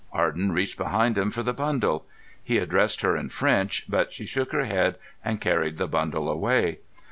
Arden reached behind him for the bundle. He addressed her in French, but she shook her head and carried the bundle away.